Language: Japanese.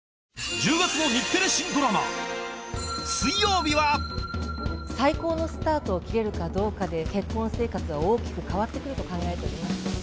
１０月の日テレ新ドラマ最高のスタートを切れるかどうかで結婚生活は大きく変わってくると考えております。